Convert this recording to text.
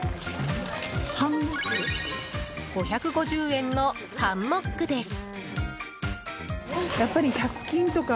５５０円のハンモックです。